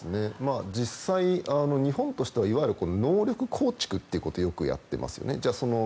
実際、日本としてはいわゆる能力構築ということをよくやっていますよね。